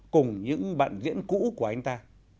cùng những bạn diễn cũ của anh ta